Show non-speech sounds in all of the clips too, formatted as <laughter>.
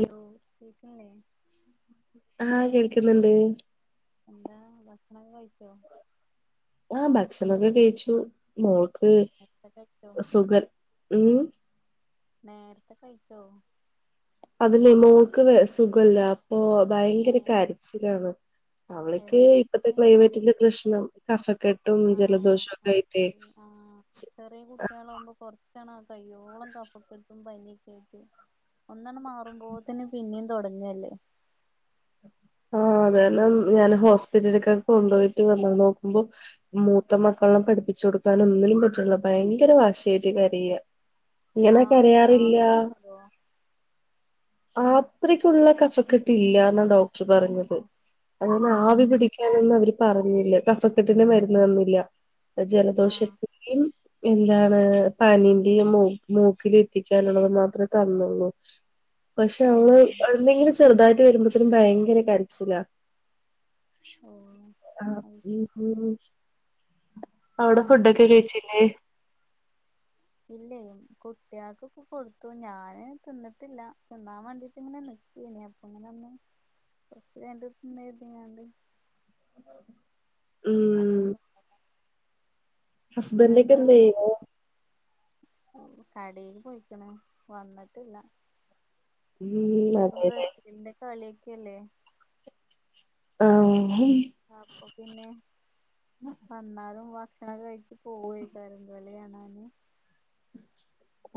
Hello കേക്ക്ണില്ലേ ആഹ് കേൾക്ക്ന്ന്ണ്ട് എന്താ ഭക്ഷണം കയിച്ചോ ആഹ് ഭക്ഷണം ഒക്കെ കെയിച്ചു മോൾക്ക് നേരത്തെ കഴിച്ചോ സുഖല്യ ഉം നേര്ത്തെ കയിച്ചോ അത് ഇല്ലേ മോൾക്ക് വെ സുഖാെല്ല ഓഹ് ഭയങ്കര കരച്ചിലാണ് ഏ അവള്ക്ക് എന്താ ഇപ്പത്തെ പറ്റിയെ ക്ലൈമെറ്റിന്റെ പ്രശ്നം കഫക്കെട്ട് ആഹ് ആഹ് ആഹ് പിന്നെ ആഹ് ചെറിയ കുട്ട്യേളാവുമ്പൊ കൊർച്ചണ് കയ്യോളം കഫക്കെട്ടും പനിയെക്കെ ആയിറ്റ് ഒന്നണ് മാറുമ്പോത്തിന് പിന്നിം തൊടങ്ങല്ലേ ആഹ് അത് കാരണം ഞാന് ഹോസ്പിറ്റല്കെക്കെ കൊണ്ടുപോയിറ്റ് വന്നണ് നോക്കുമ്പൊ മൂത്ത മക്കളെല്ലാം പഠിപ്പിച്ച് കൊടുക്കാനും ഒന്നിനും പറ്റ്ണില്ല ഭയങ്കര വാശിയായിട്ട് കരയാ ഇങ്ങനെ ആവി കരയാറില്ല ആവി കിട്ടുണ്ടോ ആത്രെക്കുള്ള കഫക്കെട്ട് ഇല്യാ എന്നാണ് ഡോക്ടർ പറഞ്ഞത് ആ അത് ഇങ്ങനെ ആ ആവി പിടിക്കു ഇങ്ങനെ ഒന്നും അവര് പറഞ്ഞില്ലട്ടൊ കഫക്കെട്ടിന്റെ മരുന്ന് തന്നില്യ ആ ജലദോഷത്തിന്റിം എന്താണ് പനീന്റിം മു മൂക്കില് ഇറ്റിക്കാനുള്ളത് മാത്രേ തന്നുള്ളൂ പക്ഷെ ആ അവള് എന്തെങ്കിലും ചെറ്തായിട്ട് വെരുമ്പത്തിനും ഭയങ്കര കരച്ചിലാ ഓ ആഹ് അത് ശരി <unintelligible> അവടെ ഫുഡൊക്കെ അങ്ങനെ കെയിച്ചിലേ ഇല്ലേം കുട്ടികൾകൊക്കെ കൊടുത്തു ഞാന് തിന്ന്ട്ടില്ല തിന്നാം വാണ്ടീറ്റ് ഇങ്ങനെ നി ക്കേന് അപ്പ ഇങ്ങനെ ഒന്ന് കൊർച്ച് കെയിഞ്ഞ്ട്ട് തിന്നാ കെര്തിങ്ങാണ്ട് ഉം <unintelligible> ഹസ്ബൻഡ് ഒക്കെ പിന്നെന്താ എന്ത് ചെയ്യുന്നു ഊ കടേക്ക് പൊയ്ക്ക്ണ് വന്ന്ട്ടില്ല ഇന്ന് ഇപ്പ ഉം പിന്നെ ഇപ്പം അതെല്ലേ ബ്രസീലിന്റെ കളിയെക്കെ എല്ലേ ആഹ് <unintelligible> അപ്പൊ പിന്നെ വന്നാലും ഭക്ഷണം കഴിച്ച് പോവെെക്കാരം ചെൽ കളി കാണാന്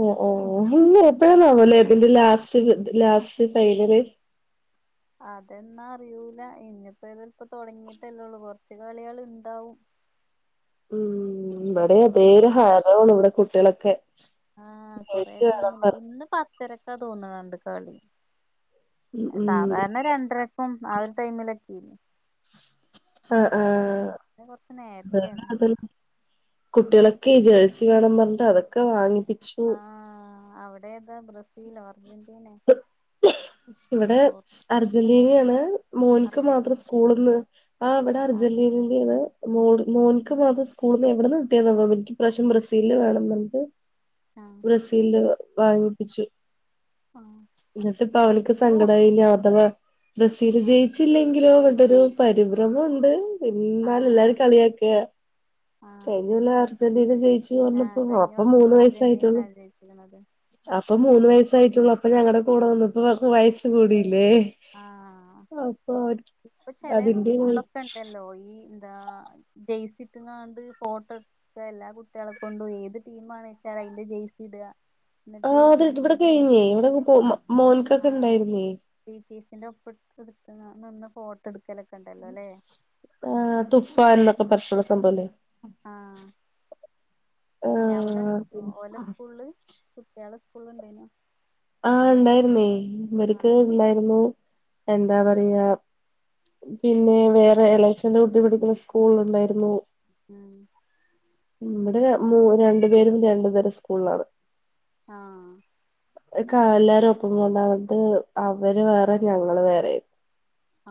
ഓഹ് ഓഹ് ഇന്ന് വേൾഡ് എപ്പഴാണാവല്ലേ കപ്പിന് ഇതിന്റെ ലാസ്റ്റ് ഇത് ലാസ്റ്റ് ഫൈനല് അതെന്നാ അറിയൂല ഇനിയിപ്പോതിലപ്പോ തുടങ്ങിയിട്ടല്ലേള്ളൂ കുറച്ച് കളികൾ ഉണ്ടാവും ഉം ഇവിടെം വേ ഒരു കൊറേ ഹാരമാണ് ഇവിടെ കുട്ടികളൊക്കെ ആഹ് കൊറേ മിച്ച വേണം ടീമില്ലേ പറ ഇന്ന് പത്തരക്കാ തോന്നുന്നുണ്ട് കളി പറഞ്ഞ് ഉം സാധാരണ രണ്ടര അപ്പം ആ ഒരു ടൈമിലൊക്കേന് ആഹ ആഹ ഇന്ന് കൊറച്ച് അത നേരത്തെയാണ് അത കുട്ടികളൊക്കെ ജേഴ്സി വേണം പറഞ്ഞ് അതൊക്കെ വാങ്ങിപ്പിച്ചു ആഹ അവിടെേതാ ബ്രസീലോ അർജന്റീനെ ഇവിടെ പോർച്ചുഗലൊക്കെ ഉണ്ടല്ലോ അർജന്റീനയാണ് മോനിക്ക് മാത്രം അർജന്റീന സ്കൂളിന്ന് ആഹ് ഇവിട ആഹ് അർജുന്റീന്റെണ് മോ മോൻക്ക് മാതം സ്കൂളിന്ന് എവിടെന്ന് കിട്ടിയന്നോ എനിക് ഈ പ്രാവശ്യം ബ്രസീല് വേണം എന് പറഞ്ഞിട്ട് ആഹ് ബ്രസീല് വാങ്ങിപ്പിച്ചു ആഹ് എന്നിട്ടപ്പ അവനക്ക് ഇപ്പോ സങ്കടമായില്ലേ യാഥവാ ബ്രസീല് ആഹ് ജയിച്ചില്ലേ എങ്കിലോ എന്ന് പറഞ്ഞിട്ട് ഒരു പരിഭ്രമുണ്ട് എന്നാൽ ആഹ് എല്ലാരും ആഹ് കളിയാക്ക കഴിഞ്ഞ ആഹ് കൊല്ല അർജന്റീന ജയിച്ചു ആഹ് പറഞ്ഞപ്പോ കഴിഞ്ഞ അപ്പം വർഷം മൂന്ന് വയസായിട്ടുള്ളു അർജന്റീനയാണ് ജയിച്ചിക്കണത് അപ്പൊ മൂന്ന് ആഹ് വയസായിട്ടുള്ളൂ അപ്പൊ ഞങ്ങളടെ കൂടെ വന്നപ്പോഅവൾക് വയസ്സ് കൂടില്ലേ ആഹ് പ്പ <inaudible> ഇപ്പൊ ചെലെ സ്കൂളിലൊക്കെ ഉണ്ടല്ലോ ഈ എഹ് ജയ്സിട്ടങ്ങാണ്ട് ഫോട്ടോ ഇ എല്ലാ കുട്ടികളെ കൊണ്ടും ഏത് ടീം ആണ് എന്ന് വെച്ചാൽ അയിന്റെ ജെയ്സി ഇടുക എന്നിട്ട് ആഹ് അത് ഇവിടെ കഴിഞ്ഞേ ഇവിടെ ടീച്ചേഴ്സിന്റെ പോ മോനിക്കൊക്കെ ഉണ്ടായിരുന്നേ ടീച്ചേസിന്റെ ഒപ്പി ഇട്ട് ഇട്ട നിന്ന് ഫോട്ടോ എടുക്കലൊക്കെ ഉണ്ടല്ലോ അല്ലേ ആഹ് തുഫ എന്നൊക്കെ പറഞ്ഞട്ടുള്ള സംഭവം അല്ലേ ആ ആഹ് അവിടെ ഓല സ്കൂള് കുട്ടേള സ്കൂൾ ഉണ്ടായിനോ ആഹ് ഉണ്ടായിരുന്നേ ഇവർക്ക് ആഹ് ഉണ്ടായിരുന്നു എന്താ പറയാ പിന്നെ വേറെ ഇളയച്ഛന്റെ കുട്ടി പഠിക്കുന്ന സ്കൂള് ഉണ്ടായിരുന്നു ഉം നമ്മടെ മൂ രണ്ട് പേരും രണ്ടു തരം സ്കൂളിലാണ് ആഹ് എല്ലാരും ഒപ്പം കൊണ്ടാണത് അവര് വേറെ ഞങ്ങള് വേറെ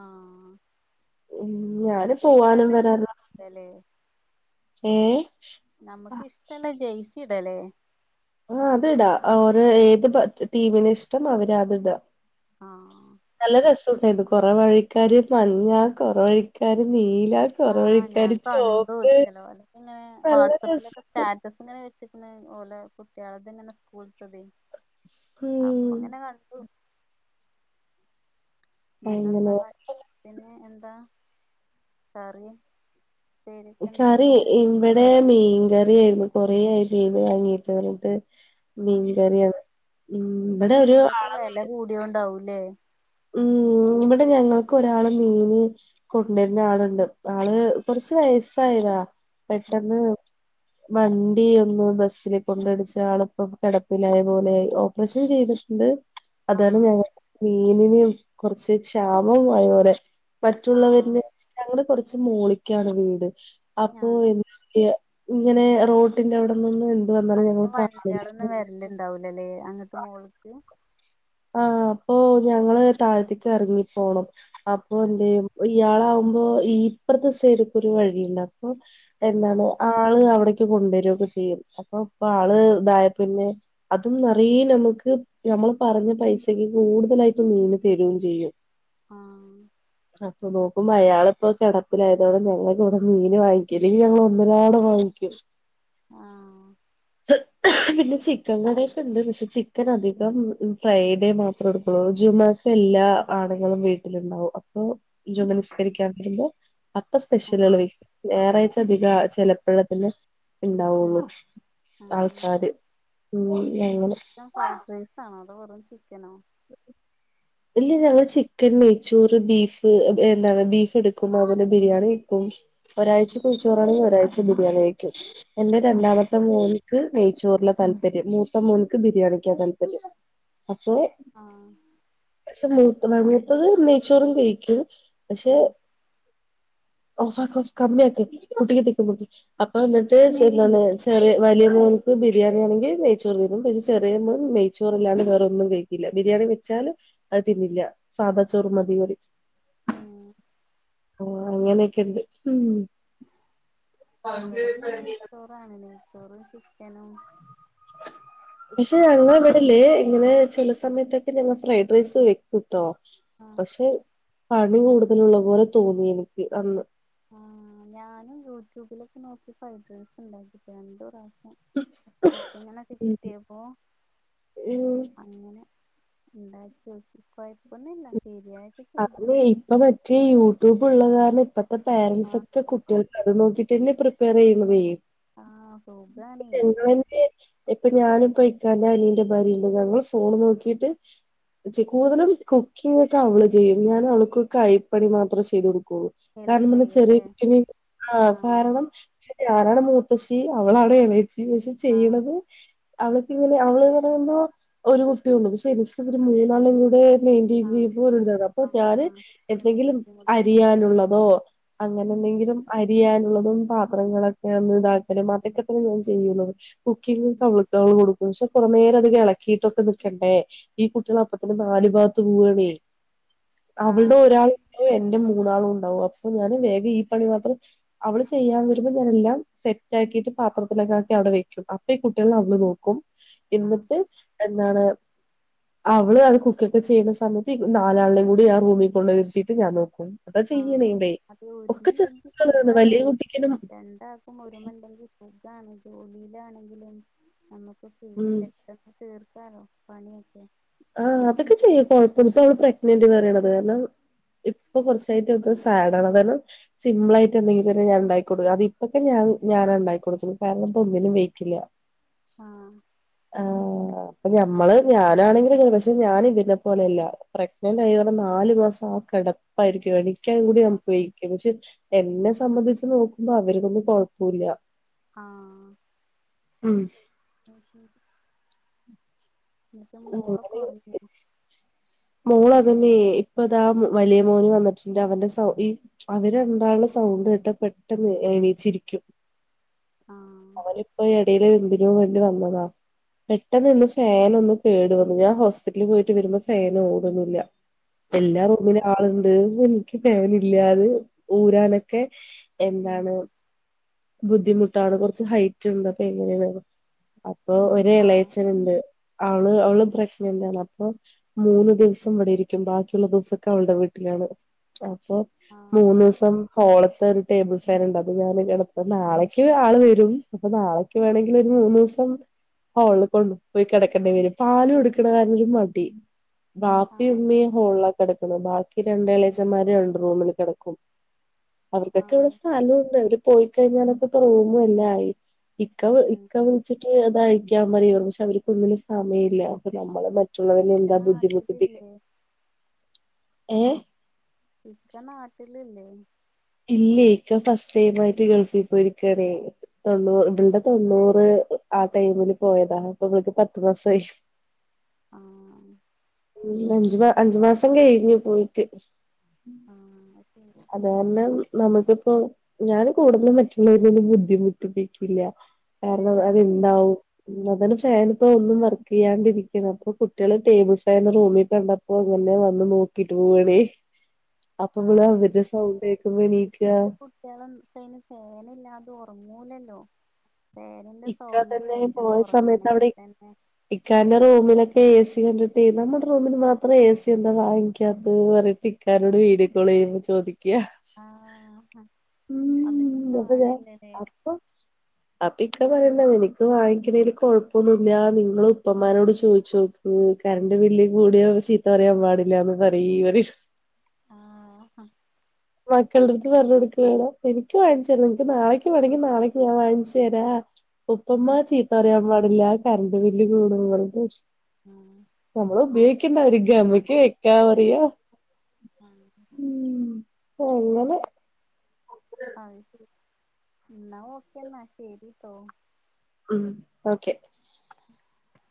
ആഹ് ഉം ഞാന് പോവാനും നമുക്കിഷ്ടല്ല ജീല്ലേ <inaudible> അല്ലെ ഏഹ് നമുക്ക് ഇഷ്ടല്ല ജെയയ്സി ഇടലെ ആഹ് അത്ടാ അവര് ഏത് ടീമിനെ ഇഷ്ടം അവര് അത്ടാ ആഹ്ഹാ നല്ല രസുണ്ടായിരുന്നു കൊറ വഴിക്കാര് മഞ്ഞ കൊറവഴിക്കാര് നീല കൊറേ ആഹ് ഞാൻ വഴിക്കാര് കണ്ടു ചോപ്പ് ചെലവലൊക്കെ ഇങ്ങനെ നല്ല വാട്സപ്പിലൊക്കെ രസണ്ട് സ്റ്റാ ങ്ങനെ വെച്ചിക്കിണ് ഓലെ കുട്ടികളത് എങ്ങനെ സ്കൂലത്തേത് അപ്പൊ ഉം ഇങ്ങനെ കണ്ടു നല്ലന്താ അങ്ങനെ ഭക്ഷണത്തിന് എന്താ കറി ഉപ്പേരിയൊക്കെ ഉണ്ടോ കറി മീനൊക്കെ ഇവിടെ മീൻകറിയിണ്ട് കൊറെയായി മീന് വാങ്ങീട്ട് പറഞ്ഞിട്ട് മീൻ ആഹ് കറിയാണ് ഉം ഇവിടെ ഒരു അ വില കൂടിയോണ്ടാവൂലേ? ഉം ഇവിടെ ഞങ്ങൾക്ക് ഒരാള് മീന്. കൊണ്ട് വരുന്ന ആളുണ്ട്, ആളെ കൊറച്ച് വയസ്സായതാ ഉം പെട്ടെന്ന്. വണ്ടി ഒന്ന് ബസ്സില് കൊണ്ട് ഇടിച്ച് ആളിപ്പം കിടപ്പിലായ പോലെ ഓപ്പറേഷൻ ചെയ്തിട്ടുണ്ട്. അതാണ് ആഹ് ഞാൻ. മീനിനും കുറച്ച് ക്ഷാമമായ പോലെ ആഹ് മറ്റുള്ളവരെ. ഞങ്ങൾ കുറച്ച് മോളിക്കാണ് വീട് അപ്പൊ ആഹ് എന്താ പറയുക. ഇങ്ങനെ റോഡിന്റെ അവിടെ നിന്ന് എന്ത് വന്നാലും ഞങ്ങൾക്ക്. <unintelligible> എല്ലാം ഉണ്ടാവൂലല്ലേ, അങ്ങക്ക് മോളിക്ക്. ആഹ് അപ്പൊ ഞങ്ങള് താഴത്തേക്ക് ഇറങ്ങി പോണം അപ്പൊ ആഹ് എന്തേനി. ഇയാള് ആകുമ്പോ ഈ ഇപ്പുറത്തെ സൈഡിൽ കൂടി വഴിയുണ്ട, അപ്പൊ എന്താണ് ആഹ്. ആള് അവിടേക്ക് കൊണ്ടുവരുയൊക്കെ ചെയ്യും. അപ്പൊ ഇപ്പോ ആള് ഇതായ പിന്നെ അതും നിറെ നമുക്ക് നമ്മള് പറഞ്ഞു. പൈസയൊക്കെ കൂടുതലായിട്ട് മീനിന് തരും ചെയ്യും. ആഹ് അപ്പൊ നോക്കുമ്പോൾ അയാള് ഇപ്പൊ കിടപ്പിലായതോടെ ഞങ്ങൾക്ക് ഇവിടെ മീൻ വാങ്ങിക്കും. മീന് ഞങ്ങള് ഒന്നരാടം വാങ്ങിക്കും. ആഹ് പിന്നെ ചിക്കൻ കറിയൊക്കെ ഉണ്ട്, പക്ഷെ ചിക്കൻ അധികം. ഫ്രൈഡേ മാത്രം എടുക്കുള്ളൂ ജൂൺ മാസം എല്ലാ ആണുകളും വീട്ടിലുണ്ടാവും അപ്പൊ. <unintelligible> നമസ്കാരക്കാൻ പോവുമ്പോ. അപ്പ ഉം സ്പെഷ്യലുകൾ വരും ഞായറാഴ്ച അധികം ചെലപ്പോഴേ തന്നെ. ഉം ഉണ്ടാവുള്ളൂ ആഹ് ആൾക്കാര് ഉം ഞങ്ങ ചിക്കൻ ഫ്രൈഡ് റൈസ് ആണോ അതോ ചിക്കനോ? ഇല്ല ഞങ്ങള് ചിക്കൻ നെയ്ച്ചോറ് ബീഫ് എന്താണ് ബീഫ് എടുക്കുമ്പോ അവന് ബിരിയാണി വെക്കും. ഒരാഴ്ച ഉം കുഴിച്ചോറ് ആണെങ്കിൽ ഒരാഴ്ച ബിരിയാണി വെക്കും എന്റെ ആഹ് രണ്ടാ മൂത്ത മോനുക്ക് നെയ്ച്ചോറിലെ താല്പര്യം മൂത്തം മോനുക്ക് ബിരിയാണിക്കാ താല്പര്യം അപ്പൊ. ആഹ് പക്ഷെ മൂത്ത <unintelligible> നെയ്ച്ചോറും കഴിക്കും, പക്ഷെ. ഉം <unintelligible> അപ്പൊ എന്നിട്ട് എന്തെന്ന് വെച്ചാല് വലിയ മോനുക്ക് ബിരിയാണി ആണെങ്കിൽ നെയ്ച്ചോറ് തിന്നും, പക്ഷെ ചെറിയ മോൻ നെയ്. ചോറ് അല്ലാതെ വേറൊന്നും കഴിക്കില്ല ബിരിയാണി വെച്ചാലും. അത് തിന്നില്ല സാധാ ചോറ് മതി പറയും. ആഹ് ആഹ് അങ്ങനെയൊക്കെ ഉണ്ട് ഉം. ഇവിടെ ഇന്ന് നെയ്ച്ചോറാണ് നെയ്ച്ചോറും ചിക്കനും. പക്ഷെ അങ്ങനെ വിടില്ലേ ഇങ്ങനെ ചെല സമയത്തൊക്കെ ഞങ്ങൾ ഫ്രൈഡ് റൈസ് വെക്കുട്ടോ. ആഹ് പക്ഷെ പണി കൂടുതലുള്ള പോലെ തോന്നി എനിക്ക് അന്ന്. ആഹ് ഞാനും യൂട്യൂബിലൊക്കെ നോക്കി ഫൈഡ് റേസ് ഉണ്ടാക്കിട്ടുണ്ട് രണ്ട് പ്രാവശ്യം. ചിക്കൻ ഇങ്ങനെ ഒക്കെ ഉം കിട്ടിയപ്പോ. ഉം. അങ്ങനെ ഉണ്ടാക്കി നോക്കി, കുഴപ്പന്നില്ല ശരിയായി. അത് ഇപ്പ മറ്റേ യൂട്യൂബ് ഉള്ളത് കാരണം ഇപ്പത്തെ പേരൻറ്സ് ആഹ് ഒക്കെ കുട്ടി അത് നോക്കിട്ട് തന്നെ പ്രിപ്പർ ചെയ്യുന്നത് ആഹ് സുഖാണേ <unintelligible> ഡിമാന്റ്. ഇപ്പൊ ഞാനും ഇക്കന്റെ അനിയന്റെ ഭാര്യയുണ്ട്, ഞങ്ങൾ ഫോൺ നോക്കിട്ട്. കൂടുതലും കുക്കിംഗ്‌ ഒക്കെ അവള് ചെയ്യും, ഞാൻ അവൾക്ക് കൈപ്പണി മാത്രേ ചെയ്തു കൊടുക്കുള്ളൂ. ഹെൽപ് കാരണം അന്ന് ചെറിയ ചെയ്യല്ലേ കുട്ടിനി ആഹ് കാരണം പക്ഷെ ഞാനാണ് മൂത്തശ്ശി അവളാണ് എളേച്ചി പക്ഷെ ആഹ് ചെയ്യണത് അവള്‌ക്കിങ്ങനെ അവള്ന്ന് പറയുമ്പോ ഒരു കുപ്പി കൊണ്ടുവന്നു പക്ഷെ എനിക്ക് ഒരു മൂന്നാലെണ്ണം കൂടെ ആഹ് <unintelligible> പ്പൊ ആഹ് ഞാന് ആഹ് ശരിയാണ് എന്തെങ്കിലും ബുദ്ധിമുട്ടാണ് അരിയാനുള്ളതോ അങ്ങനെ ഉം എന്തെ ങ്കിലും അരിയാനുള്ളതും പാത്രങ്ങളൊക്കെ ഒന്ന് ഇതാക്കലും അതൊക്കെ തന്നെ ഞാൻ ചെയ്യുന്നത് കുക്കിംങ്ങക്ക അവളുക്കവുള് കൊടുക്കും പക്ഷെ കൊറെ നേരം അത് എളക്കീട്ടൊക്കെ നിക്കണ്ടേ ഈ കുട്ടികള് ഉം അപ്പത്തന്നെ നാല് ഭാഗത്ത് പോവുവാണേ അവൾടെ ആഹ് ഒരാളിണ്ടാവും എന്റെ മൂന്നാളും ഉണ്ടാവും അപ്പൊ ഞാന് വേഗം ഈ പണി മാത്രം അവള് ചെയ്യാൻ വരുമ്പൊ ഞാനെല്ലാം സെറ്റ് ആക്കിയിട്ട് പാത്രത്തിലൊക്കെ ആക്കി അവിടെ വെക്കും അ പ്പ ഈ കുട്ടികള് അവള് നോക്കും ആഹ് എന്നിട്ട് എന്താണ് അവള് അത് കുക്കക്ക ചെയ്യുന്ന സമയത്ത് ഈ നാലാളിനേം കൂ ട്ടി ആ റൂമി കൊണ്ടിരിത്തിയിട്ട് ഞാൻ നോക്കും അതാ ആഹ് ചെയ്യണേണ്ടേ അതെ ഒരുമ ഒക്കെ ചെറിയ ഇണ്ടെങ്കി കുട്ടികളാണ് സുഖാണ് വലിയ കുട്ടിക്കൊന്നും രണ്ടാ ക്കും ഒരുമ എണ്ടെങ്കി സുഖാണ് ജോലിയിലാണെങ്കിലും നമുക്ക് ഉം <unintelligible> <unintelligible> തീർക്കാലോ പണിയൊക്കെ ആഹ് അതൊക്കെ ചെയ്യും കൊഴപ്പോന്നും ഇപ്പവള് ആഹ് പ്രഗ്നന്റ്ന്ന് പറയണത് കാരണം ഇപ്പൊ കൊറച്ചായിട്ട് അവക്ക് സാഡാണ് അത്കാരണം സിമ്പിളായിട്ടെന്തെങ്കിലും തന്നെ ഞാനിണ്ടാക്കി കൊടുക്കും അതിപ്പൊക്കെ ഞാൻ ഞാനാണിണ്ടാക്കി കൊടുക്കല് കാരണം ഇപ്പൊ ഒന്നിനും വെയ്ക്കില്ല ആഹ് ആഹ് അപ്പൊ ഞമ്മള് ഞാനാണെങ്കി <unintelligible> പക്ഷെ ഞാന് ഇതിന്നെ പോലെയല്ല പ്രഗ്നന്റ് ആയി പറഞ്ഞ് നാല് മാസം ആ കിടപ്പായിരിക്കും എണീ ക്കാൻകൂടി ആഹ് നമുക്ക് <unintelligible> പക്ഷെ എന്നെ സംബന്ധിച്ച് നോക്കുമ്പോ അവരിക്കൊന്നും കൊഴപ്പൂല്ല ആഹ് ഉം <unintelligible> എന്നിട്ട് മോളൊക്കെ അങ്ങനെ ഒറങ്ങിയോ മോള് അതന്നേ ഇപ്പൊ ഇതാ വലിയ മോന് വന്നിട്ടെണ്ട് അവന്റെ സൗ ഈ അവിരണ്ടാളും സൗണ്ട് കേട്ട പെട്ടെന്ന് എണീച്ചിരിക്കും ആഹ് അവനിപ്പൊ എടയില് എന്തിനോ വേണ്ടി വന്നതാ പെട്ടെന്നൊന്ന് ഫാൻ ഒന്ന് കേടു വന്നു ഞാൻ ഹോസ്പിറ്റൽല് പോയിട്ട് വരുമ്പൊ ഫേന് ഓടുന്നില്ല എല്ലാറൂമിലേം ആളിണ്ട് എനിക്ക് ഫാനില്ലാതെ ഊരാനക്കെ ഉം എന്താണ് ബുദ്ധിമുട്ടാണ് കൊറച്ച് ഹൈറ്റിണ്ട് അപ്പൊ എങ്ങനേണ് അപ്പൊ ഒരു ആഹ് എളേച്ചനിണ്ട് അവള് അവള് പ്രഗ്നന്റാണ് അപ്പൊ മൂന്ന് ദിവസം ഇവിടെ ഇരിക്കും ബാക്കിയുള്ള ദിവസൊക്കെ അവളുടെ വീട്ടിലാണ് അപ്പൊ ആഹ് മൂന്നൂസം ഹോള്ത്ത ഒരു ടേബിൾ ഫാനിണ്ട് അത് ഞാനിങ്ങെടുത്ത് നാളേക്ക് ആള് വരും അപ്പൊ നാളേ ക്ക് വേണെങ്കിലൊരു മൂന്നുസം ഹോളില് കൊണ്ടുപോയി കിട ക്കെണ്ടി വരും പാല് കൊടുക്കണ കാരണം ഒരു മടി വാപ്പി ആഹ് ഉമ്മയും ഹോൾലാ കിടക്കുന്നത് ബാക്കി രണ്ടെളേച്ചന്മാരും രണ്ട് റൂമില് കിടക്കും അവർക്കൊക്കെ ഇവിടെ ആഹ് സ്ഥലുണ്ട് അവര് പോയിക്കഴിഞ്ഞാലൊക്കെ ഇപ്പ റൂമു എല്ലാ ആയി ഇക്ക വി ഉം ഇക്ക വിളിച്ചിട്ട് അതഴിക്കാൻ പറയും പക്ഷെ അവരിക്കൊന്നിനും സമയം ഇല്ല അപ്പൊ നമ്മള് മ റ്റുള്ളവരിനെ ഇക്ക എന്താ ബുദ്ധിമുട്ടിപ്പിക്കു നാട്ടിലില്ലേ ഏഹ് ഇക്ക നാട്ടിലില്ലേ? ഇല്ല്യേ ഇക്ക ഫസ്റ്റ് ടൈം ആയിട്ട് ഗൾഫിൽ പോയിരിക്കാണേ തൊണ്ണൂ ആഹ് തൊണ്ണൂറ് ആ ടൈമില് പോയതാ അപ്പൊ ഇന്നക്ക് പത്തു മാസായി. ആഹ് ഉം അഞ്ചു അഞ്ചു മാസം കഴഞ്ഞു പോയിട്ട്. ആഹ് അത് ശരി അത് അങ്ങനെ കാരണം നമുക്കിപ്പോ ഞാൻ കൂടുതലും മറ്റുള്ളവരെ ബുദ്ധിമുട്ടിപ്പിക്കില്ല. കാരണം ആഹ് അത്ണ്ടാവും ഉം അതെന്നെ ഫാൻ ഇപ്പോ ഒന്നും വർക്ക് ചെയ്യാണ്ടിരിക്കണം അപ്പം കുട്ടിയാള് ടേബിൾ ഫാൻ റൂമിൽ കണ്ട ഓ പൊന്നേ വന്ന് നോക്കീട്ട് പോണേ അപ്പം പിന്നെ ആഹ് ഇതിന്റെ സൗ ഇപ്പത്തെ കുട്ട്യാൾ ഒന്നും ഇപ്പൈന് ഫാനില്ലാതെ ഉറങ്ങൂലല്ലോ. ഫാനിന്റെ ഇക്ക സൗണ്ട് തന്നെ കേൾക്കണം പോയ സമയത്ത് ഉറങ്ങെണെങ്കി അവിടെ തന്നെ ഇക്കാന്റെ റൂമിലൊക്കെ ഏ സി കണ്ടിട്ടെ നമ്മുടെ റൂമിൽ മാത്രം എ സി എന്താ വാങ്ങിക്കാതേ പറയും ഇക്കാനോട് വീടിയോകോളു ചെയ്യുമ്പോ ചോദിക്കാ ആഹ് അഹ് അതൊര് തോനല്ലേല്ലേ ഓ ഇക്ക പറയുന്നെ എനിക്ക് വാങ്ങിക്കിണേൽ കൊഴപ്പൊന്നൂല്ല. നിങ്ങള് ഉപ്പമാരോട് ചോദിച്ചോക്ക് ഉം കറണ്ട് ബില്ല് കൂടിയ ചീത്ത പറയാൻ പാടില്ലാന്ന് പറീ ആഹ് മക്കളുടെ അട്ത്ത് പറഞ്ഞ് കൊട്ക്കണെ കാണാ എനിക്ക് വാങ്ങിച്ചരാ നിക്ക് നാളേക്ക് വേണെമെങ്കി നാളേക്കും ഞാൻ വാങ്ങിച്ച് തരാം. ഉപ്പുമ്മ ചീത്ത പറയാൻ പാടില്ല കറണ്ട് ബില്ല് കൂടൂന്ന് പറഞ്ഞിട്ട് ആഹ് നമ്മള് ഉപയോഗിക്കണ്ടി അവര്ക്ക്ഷ അമ്മക്ക് വെക്കാൻ പറയാ ആഹ് ആ അങ്ങനെ അത് ശരി എന്നാ ഓക്കെ എന്നാ ശരിട്ടോ. ഉം ഓക്കെ ഉ